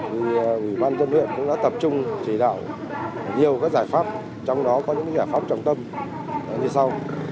thì ủy ban dân huyện cũng đã tập trung chỉ đạo nhiều các giải pháp trong đó có những giải pháp trọng tâm như sau